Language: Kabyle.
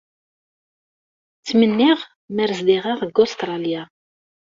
Ttmenniɣ mer zdiɣeɣ deg Ustṛalya.